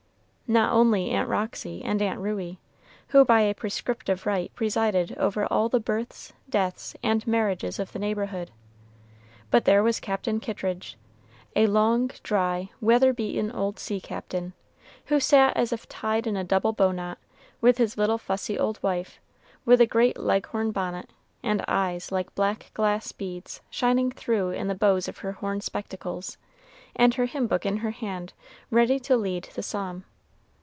Not only Aunt Roxy and Aunt Ruey, who by a prescriptive right presided over all the births, deaths, and marriages of the neighborhood, but there was Captain Kittridge, a long, dry, weather beaten old sea captain, who sat as if tied in a double bow knot, with his little fussy old wife, with a great Leghorn bonnet, and eyes like black glass beads shining through in the bows of her horn spectacles, and her hymn book in her hand ready to lead the psalm.